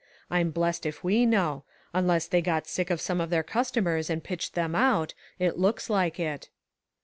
I'm blessed if we know ; unless they got sick of some of their customers and pitched them out ; it looks like it."